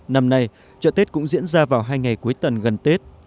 năm nay chợ tết cũng diễn ra vào hai ngày cuối tuần gần tết